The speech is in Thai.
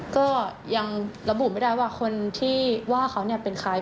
ก็ยังระบุไม่ได้ว่าคนที่ว่าเขาเป็นใคร